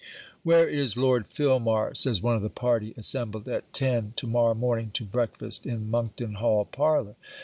'Where is Lord Filmar?' says one of the party assembled at ten to morrow morning to breakfast in Monkton Hall parlour.